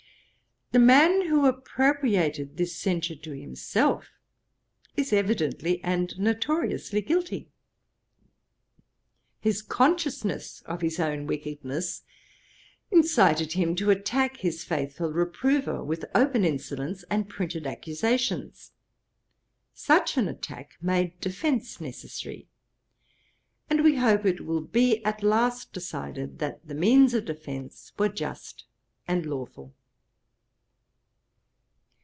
The man who appropriated this censure to himself, is evidently and notoriously guilty. His consciousness of his own wickedness incited him to attack his faithful reprover with open insolence and printed accusations. Such an attack made defence necessary; and we hope it will be at last decided that the means of defence were just and lawful.'